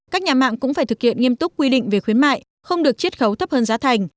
các nhà mạng cũng phải thực hiện nghiêm túc quy định về khuyến mại không được chiết khấu thấp hơn giá thành